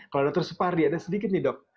kalau dr sephardi ada sedikit nih dok